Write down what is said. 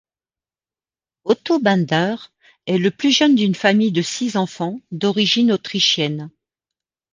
Otto Binder est le plus jeune d'une famille de six enfants, d’origine autrichienne.